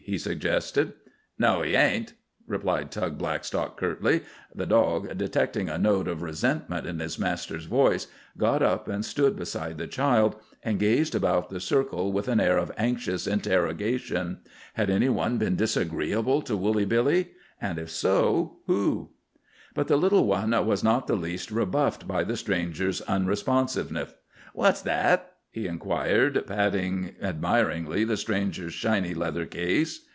he suggested. "No, he ain't," replied Tug Blackstock, curtly. The dog, detecting a note of resentment in his master's voice, got up and stood beside the child, and gazed about the circle with an air of anxious interrogation. Had any one been disagreeable to Woolly Billy? And if so, who? But the little one was not in the least rebuffed by the stranger's unresponsiveness. "What's that?" he inquired, patting admiringly the stranger's shiny leather case.